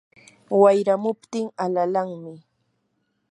wayramuptin alalanmi.